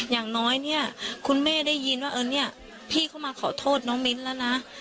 อย่างน้อยเนี่ยคุณแม่ได้ยินว่าเออเนี่ยพี่เขามาขอโทษน้องมิ้นแล้วนะ